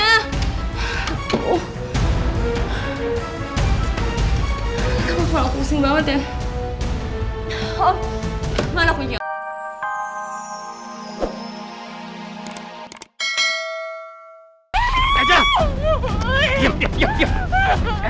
kamu kalau pusing banget ya